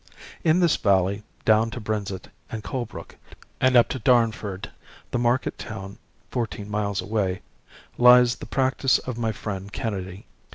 In this valley down to Brenzett and Colebrook and up to Darnford, the market town fourteen miles away, lies the practice of my friend Kennedy.